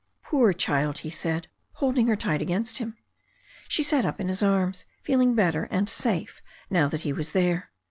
"Poor child," he said, holding her tight against him. She sat up in his arms, feeling better and safe now that he was there.